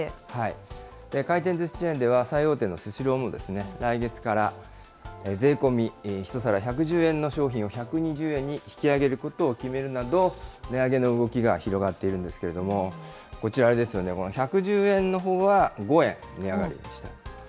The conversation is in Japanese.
回転ずしチェーンでは、最大手のスシローも、来月から、税込み１皿１１０円の商品を、１２０円に引き上げることを決めるなど、値上げの動きが広がっているんですけれども、こちら、１１０円のほうは５円値上がりしました。